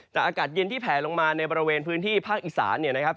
อากาศเย็นที่แผลลงมาในบริเวณพื้นที่ภาคอีสานเนี่ยนะครับ